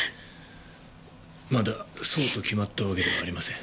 まだそうと決まったわけではありません。